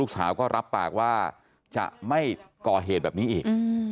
แต่ว่าจะไม่ก่อเหตุแบบนี้อีก